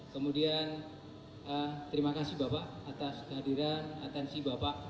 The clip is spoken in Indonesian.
kemudian terima kasih bapak atas hadiran atansi bapak